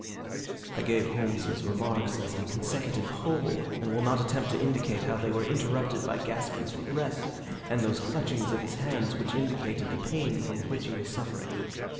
I gave Holmes's remarks as a consecutive whole and will not attempt to indicate how they were interrupted by gaspings for breath and those clutchings of his hands which indicated the pain from which he was suffering.